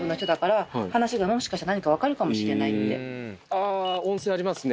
あ温泉ありますね。